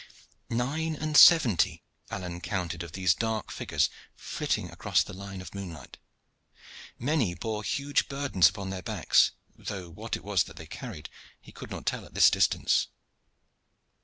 Nine and seventy Alleyne counted of these dark figures flitting across the line of the moonlight. Many bore huge burdens upon their backs, though what it was that they carried he could not tell at the distance.